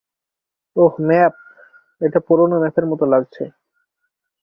ওহ, map এটা পুরানো ম্যাপের মতো লাগছে।